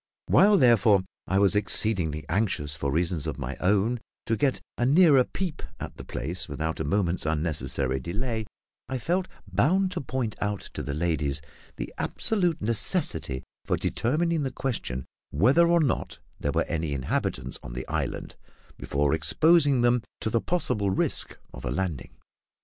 While, therefore, I was exceedingly anxious, for reasons of my own, to get a nearer peep at the place without a moment's unnecessary delay, I felt bound to point out to the ladies the absolute necessity for determining the question whether or not there were any inhabitants on the island before exposing them to the possible risk of a landing.